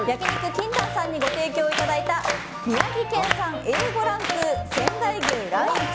ＫＩＮＴＡＮさんにご提供いただいた宮城県産Ａ５ランク仙台牛ランイチ